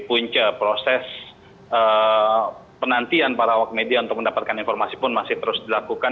punca proses penantian para awak media untuk mendapatkan informasi pun masih terus dilakukan